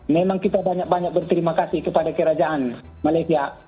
memang kita banyak banyak berterima kasih kepada kerajaan malaysia